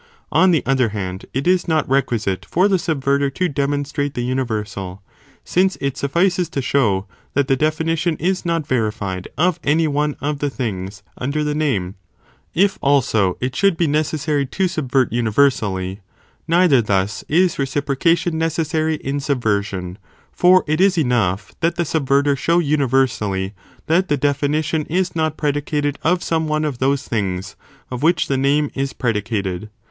On the other hand, it is not requisite for the subverter to demonstrate the universal, since it suffices to show that the definition is not verified of any one of the things under the name, if also it should be necessary to subvert universally, neither thus, is reciprocation necessary in subversion, for it is enough that the subverter show universally, that the definition is not predicated of some one of those things, of which the name is predicated.